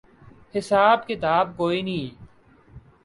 حساب کتاب کوئی نہیں۔